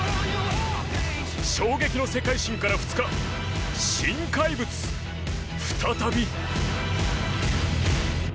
衝撃の世界新から２日新怪物、再び。